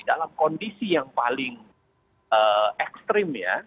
dalam kondisi yang paling ekstrim ya